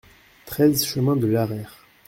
treize chemin de l'Araire